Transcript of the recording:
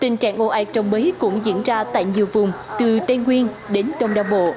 tình trạng ô ai trồng mấy cũng diễn ra tại nhiều vùng từ tây nguyên đến đông đa bộ